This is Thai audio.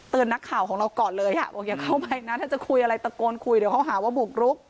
นักข่าวของเราก่อนเลยบอกอย่าเข้าไปนะถ้าจะคุยอะไรตะโกนคุยเดี๋ยวเขาหาว่าบุกรุก